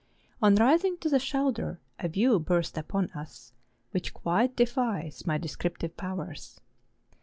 On rising to the shoulder a view burst upon us which quite defies my descriptive powers.